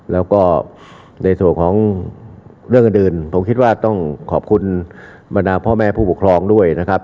แล้วก็ในส่วนของเรื่องอื่นผมคิดว่าต้องขอบคุณบรรดาพ่อแม่ผู้ปกครองด้วยนะครับ